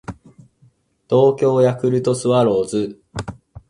東京ヤクルトスワローズ